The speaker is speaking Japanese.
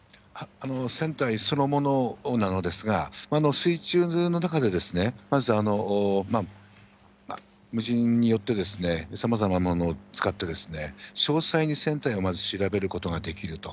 船体そのものなのですが、水中の中で、まず、無人によって、さまざまなものを使って、詳細に船体をまず調べることができると。